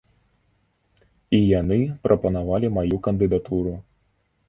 І яны прапанавалі маю кандыдатуру.